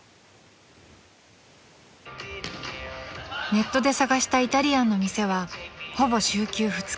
［ネットで探したイタリアンの店はほぼ週休２日］